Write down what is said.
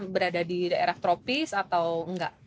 berada di daerah tropis atau enggak